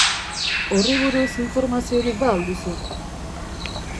Horri buruz informaziorik ba al duzu?